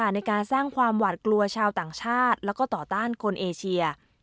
ในการสร้างความหวาดกลัวชาวต่างชาติแล้วก็ต่อต้านคนเอเชีย